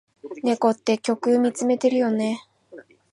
猫って虚空みつめてるよね。